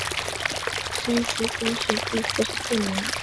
山西乡试第四十四名。